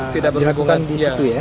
tidak berlakukan di situ ya